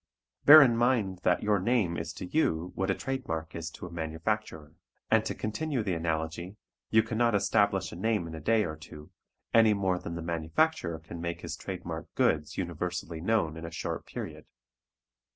Bear in mind that your name is to you what a trademark is to a manufacturer. And, to continue the analogy, you cannot establish a name in a day or two, any more than the manufacturer can make his trademarked goods universally known in a short period.